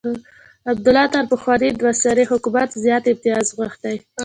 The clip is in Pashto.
عبدالله تر پخواني دوه سري حکومت زیات امتیازات غوښتي.